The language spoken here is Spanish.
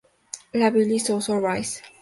La Ville-sous-Orbais